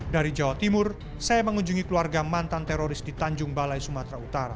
dari jawa timur saya mengunjungi keluarga mantan teroris di tanjung balai sumatera utara